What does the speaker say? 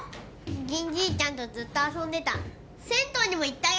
銀じいちゃんとずっと遊んでた銭湯にも行ったよ